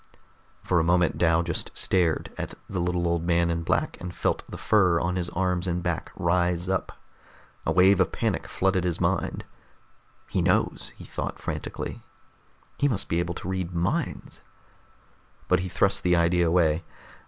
For a moment Dal just stared at the little old man in black, and felt the fur on his arms and back rise up. A wave of panic flooded his mind. He knows! he thought frantically. He must be able to read minds! But he thrust the idea away.